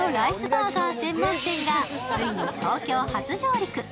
バーガー専門店がついに東京初上陸。